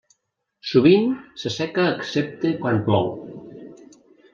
Sovint s'asseca excepte quan plou.